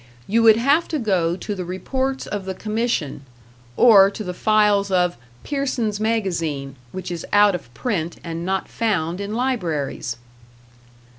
You would have to go to the reports of the Commission or to the files of "Pearson's Magazine", which is out of print and not found in libraries!